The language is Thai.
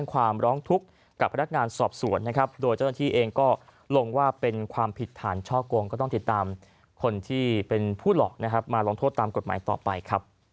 ความร้องทุกข์กับพนักงานสอบสวนนะครับโดยเจ้าหน้าที่เองก็ลงว่าเป็นความผิดฐานช่อกงก็ต้องติดตามคนที่เป็นผู้หลอกนะครับมาลงโทษตามกฎหมายต่อไปครับ